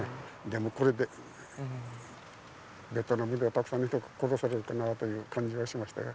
でも、これで、ベトナムでたくさんの人が殺されるかなっていう感じがしましたよ。